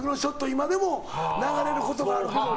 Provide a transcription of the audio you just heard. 今でも流れることがあるから。